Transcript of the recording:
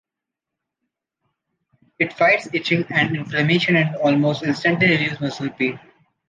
It fights itching and inflammation and almost instantly relieves muscle pain.